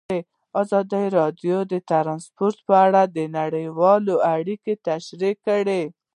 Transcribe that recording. ازادي راډیو د ترانسپورټ په اړه نړیوالې اړیکې تشریح کړي.